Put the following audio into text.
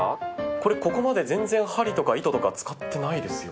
これここまで全然針とか糸とか使ってないですよね？